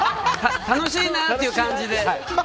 楽しいなっていう感じで。